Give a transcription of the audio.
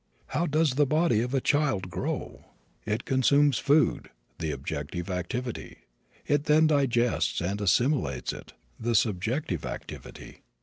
How does the body of a child grow? It consumes food, the objective activity. It then digests and assimilates it, the subjective activity.